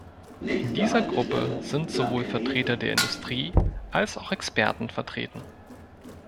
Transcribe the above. In dieser Gruppe sind sowohl Vertreter der Industrie als auch Experten vertreten.